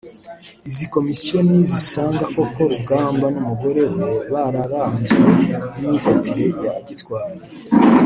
Izi Komisiyo nizisanga koko Rugamba n’umugore we bararanzwe n’imyifatire ya gitwari